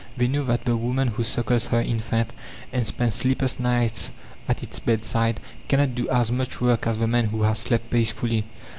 They know that the woman who suckles her infant and spends sleepless nights at its bedside, cannot do as much work as the man who has slept peacefully.